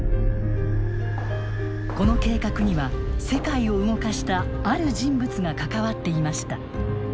この計画には世界を動かしたある人物が関わっていました。